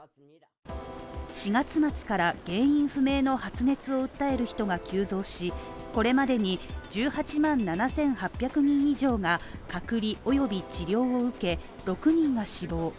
４月末から原因不明の発熱を訴える人が急増し、これまでに１８万７８００人以上が隔離および治療を受け、６人が死亡。